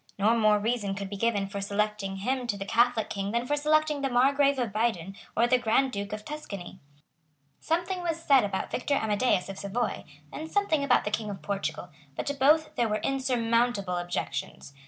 No more reason could be given for selecting him to be the Catholic King than for selecting the Margrave of Baden or the Grand Duke of Tuscany. Something was said about Victor Amadeus of Savoy, and something about the King of Portugal; but to both there were insurmountable objections.